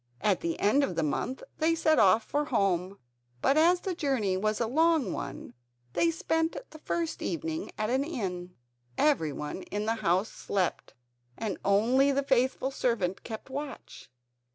At the end of the month they set off for home, but as the journey was a long one they spent the first evening at an inn. Everyone in the house slept, and only the faithful servant kept watch.